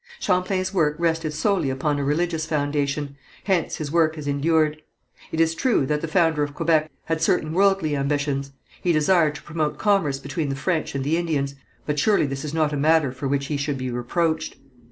Champlain's work rested solely upon a religious foundation, hence his work has endured. It is true that the founder of Quebec had certain worldly ambitions: he desired to promote commerce between the French and the Indians, but surely this is not a matter for which he should be reproached.